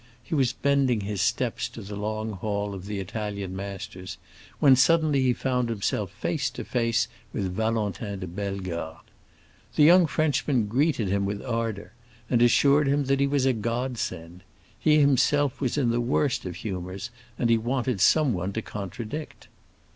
He was bending his steps to the long hall of the Italian masters, when suddenly he found himself face to face with Valentin de Bellegarde. The young Frenchman greeted him with ardor, and assured him that he was a godsend. He himself was in the worst of humors and he wanted someone to contradict.